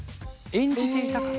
演じていたから。